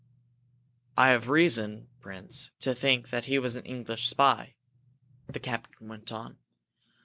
"I have reason, Prince, to think that he was an English spy," the captain went on.